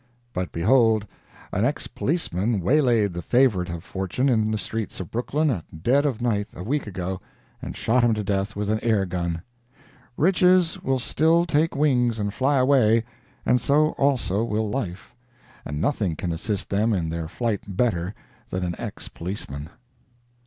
But behold, an ex policeman waylaid the favorite of fortune in the streets of Brooklyn at dead of night a week ago, and shot him to death with an air gun. Riches will still take wings and fly away, and so also will life—and nothing can assist them in their flight better than an ex policeman.